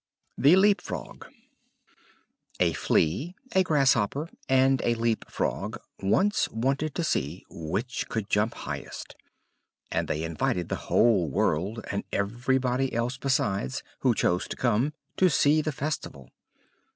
THE LEAP FROG A Flea, a Grasshopper, and a Leap frog once wanted to see which could jump highest; and they invited the whole world, and everybody else besides who chose to come to see the festival.